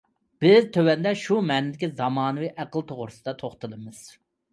بىز تۆۋەندە شۇ مەنىدىكى زامانىۋى ئەقىل توغرىسىدا توختىلىمىز.